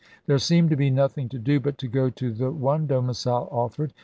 There seemed to be nothing to do but to go to the one domicile offered.